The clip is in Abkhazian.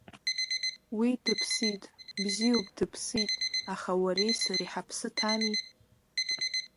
Уи дыԥсит, бзиоуп, дыԥсит, аха уареи сареи ҳаԥсы ҭами!